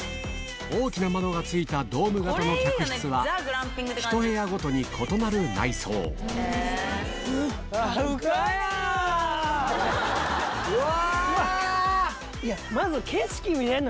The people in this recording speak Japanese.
大きな窓がついたドーム型の客室はひと部屋ごとに異なる内装うわ！